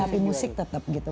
tapi musik tetap gitu